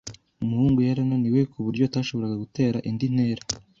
Umuhungu yari ananiwe kuburyo atashoboraga gutera indi ntera.